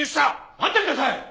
待ってください！